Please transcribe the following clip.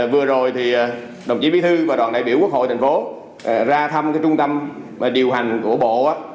vừa rồi thì đồng chí bí thư và đoàn đại biểu quốc hội tp hcm ra thăm cái trung tâm điều hành của bộ